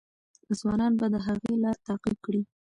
ځوانان به د هغې لار تعقیب کړي.